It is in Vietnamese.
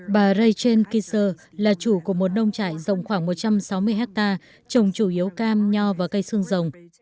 bà raychen kiser là chủ của một nông trại rộng khoảng một trăm sáu mươi hectare trồng chủ yếu cam nho và cây xương rồng